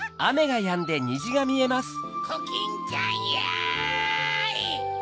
コキンちゃんやい！